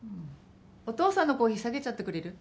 お父さんのコーヒー下げちゃってくれる？